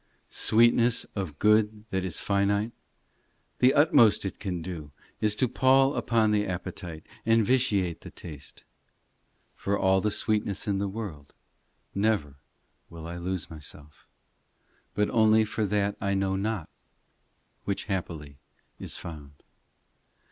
Sweetness of good that is finite, The utmost it can do Is to pall upon the appetite And vitiate the taste. For all the sweetness in the world Never will I lose myself, But only for that I know not, Which happily is found.